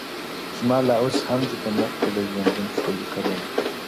زما لا اوس هم دي په مخ کي د ژوندون ښکلي کلونه-